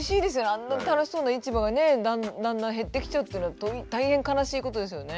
あんな楽しそうな市場がねだんだん減ってきちゃうっていうのは大変悲しいことですよね。